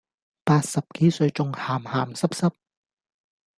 八十幾歲仲咸咸濕濕